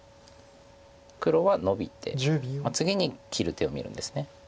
黒はノビて次に切る手を見るんです。